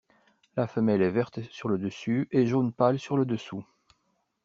La femelle est verte sur le dessus et jaune pâle sur le dessous.